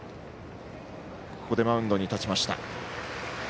ここでマウンドに立ちました。